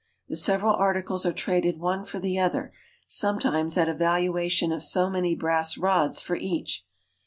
The several articles are traded one for the other, sometimes at a valuation of so many brass rods for each.